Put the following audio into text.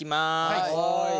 はい。